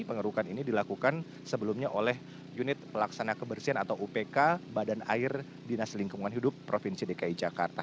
pengerukan ini dilakukan sebelumnya oleh unit pelaksana kebersihan atau upk badan air dinas lingkungan hidup provinsi dki jakarta